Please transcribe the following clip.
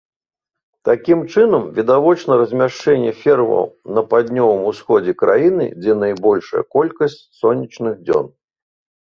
Такім чынам, відавочна размяшчэнне фермаў на паўднёвым усходзе краіны, дзе найбольшая колькасць сонечных дзён.